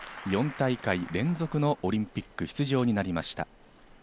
４大会連続のオリンピック出場になりました。